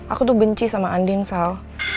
aku tuh benci sama andin sal